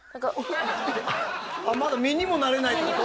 あっまだ実にもなれないってこと？